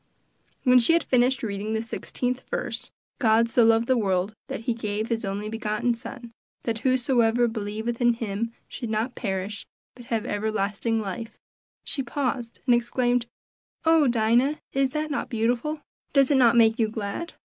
When she had finished reading the sixteenth verse "God so loved the world that he gave his only begotten Son, that whosoever believeth in him should not perish, but have everlasting life," she paused and exclaimed, "Oh! Aunt Dinah, is not that beautiful? Does it not make you glad?